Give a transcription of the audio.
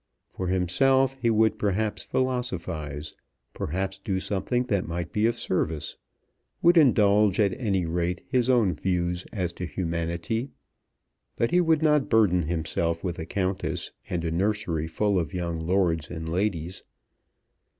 For himself he would perhaps philosophize, perhaps do something that might be of service, would indulge at any rate his own views as to humanity; but he would not burden himself with a Countess and a nursery full of young lords and ladies.